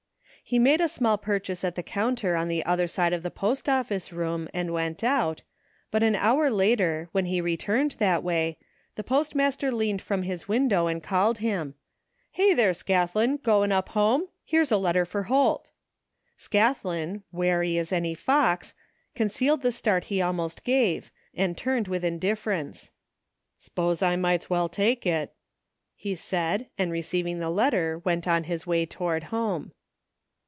He made a small purchase at the coimter on the other side of the post office room, and went out, but an hour later, when he rettuned that way, the post master leaned from his window and called him. " Hey, there, Scathlin, goin' up home? Here's a letter fer Holt." Scathlin, wary as any fox, concealed the start he almost gave, and turned with indifference. " 'Spose I might's well take it," he said, and receiv ing the letter, went on his way toward home.